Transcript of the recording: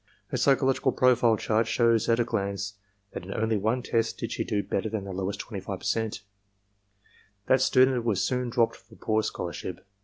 Her psychological profile chart shows at a glance that in only one test did she do better than the lowest 25%. That student was soon dropped for poor scholarship.